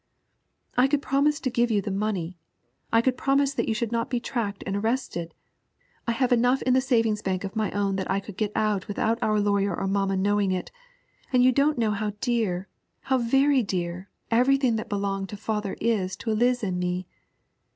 'I could promise to give you the money; I could promise that you should not be tracked and arrested. I have enough in the savings bank of my own that I could get out without our lawyer or mamma knowing, and you don't know how dear, how very dear, everything that belonged to father is to Eliz and me.